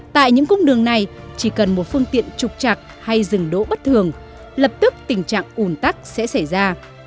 tại những cung đường này chỉ cần một phương tiện trục chặt hay dừng đỗ bất thường lập tức tình trạng ủn tắc sẽ xảy ra